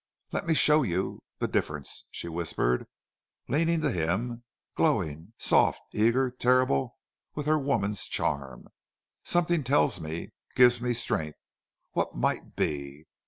"Let me show you the difference," she whispered, leaning to him, glowing, soft, eager, terrible, with her woman's charm. "Something tells me gives me strength.... What MIGHT be!...